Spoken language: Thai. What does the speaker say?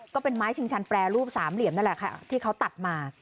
ก็เป็นไม้ชิงชันแปรรูปสามเหลี่ยมนั่นแหละค่ะที่เขาตัดมา